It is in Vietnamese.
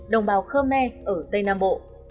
đồng bào khơ me ở tây nam bộ